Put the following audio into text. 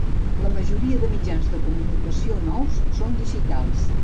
La majoria de mitjans de comunicació nous són digitals.